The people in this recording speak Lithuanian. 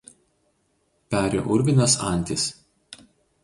Peri urvinės antys.